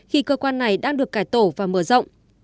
khi cơ quan này đang được cải tổ và mở rộng